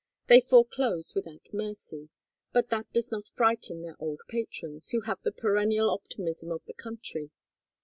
They foreclose without mercy, but that does not frighten their old patrons, who have the perennial optimism of the country.